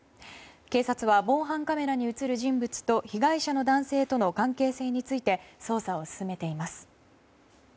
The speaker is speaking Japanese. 警察は、防犯カメラに映る人物と被害者の男性との関係性について捜査を進めています。